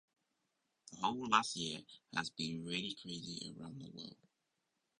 The whole last year has been really crazy around the world.